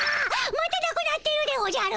またなくなってるでおじゃる。